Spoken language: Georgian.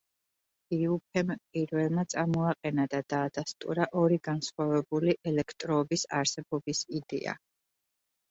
დიუფემ პირველმა წამოაყენა და დაადასტურა ორი განსხვავებული ელექტროობის არსებობის იდეა.